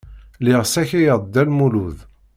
Lliɣ ssakayeɣ-d Dda Lmulud.